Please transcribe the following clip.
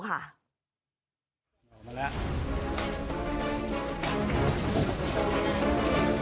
ออกมาแล้ว